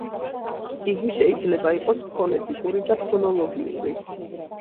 იგი შეიძლება იყოს ფონეტიკური და ფონოლოგიური.